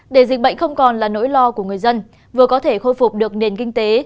để dịch bệnh không còn là nỗi lo của người dân vừa có thể khôi phục được nền kinh tế